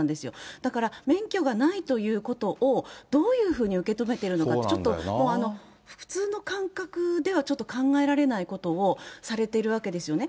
だから免許がないということを、どういうふうに受け止めてるのかって、ちょっと、もう普通の感覚ではちょっと考えられないことをされてるわけですよね。